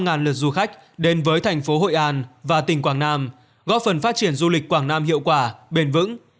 ngàn lượt du khách đến với thành phố hội an và tỉnh quảng nam góp phần phát triển du lịch quảng nam hiệu quả bền vững